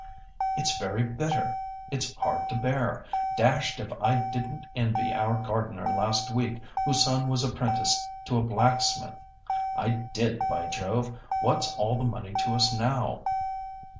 It's very bitter; it's hard to bear. Dashed if I didn't envy our gardener last week, whose son was apprenticed to a blacksmith! I did, by Jove! What's all the money to us now?"